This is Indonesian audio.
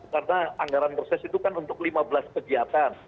karena anggaran proses itu kan untuk lima belas kegiatan